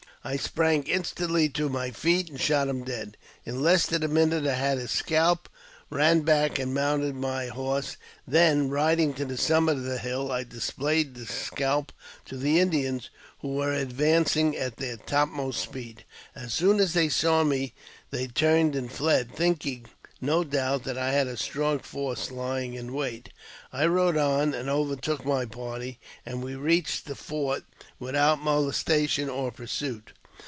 I sprang instantly to my feet, and shot him dead. In less than a, minute I had his 83ilp; ran back and mounted my horse ; then, riding to the si limit of the hill, I displayed the scalp to the Indians, who were advancing at their topmost speed. As soon as they saw me they turned and fled, thinking, no doubt, that I had a strong force lying in wait. I rode on and over took my party, and we reached the fort without molestation or pursuit.